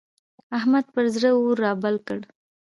احمد پر زړه اور رابل کړ.